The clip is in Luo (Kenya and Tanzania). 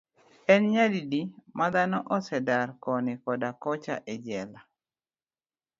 En nyadidi ma dhano osedar koni koda kocha e jela.